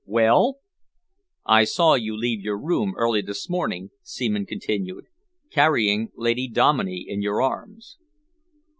"Well?" "I saw you leave your room early this morning," Seaman continued, "carrying Lady Dominey in your arms."